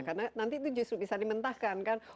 karena nanti itu bisa di mentahkan